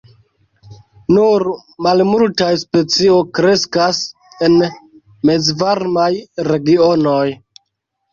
Nur malmultaj specio kreskas en mezvarmaj regionoj.